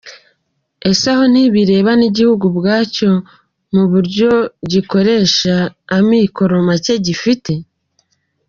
Ese aho ntibireba n’igihugu ubwacyo, mu buryo gikoresha amikoro make gifite ?